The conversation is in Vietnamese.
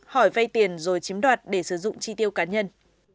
hỏi vay tiền rồi chiếm đoạt để sử dụng chi tiêu cá nhân